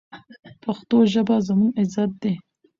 پښتو ژبه زموږ عزت دی.